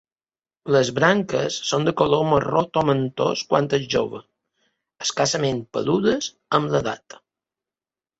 Les branques són de color marró tomentós quan és jove, escassament peludes amb l'edat.